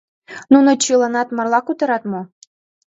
— Нуно чыланат марла кутырат мо?